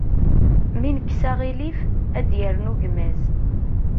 Mi nekkes aɣilif, ad d-yernu gma-s.